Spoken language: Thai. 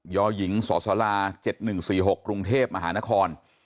ยหญิงสศ๗๑๔๖กรุงเทพฯอาหารคล